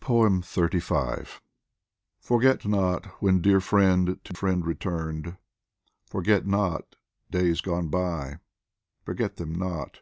xxxv FORGET not when dear friend to friend returned, Forget not days gone by, forget them not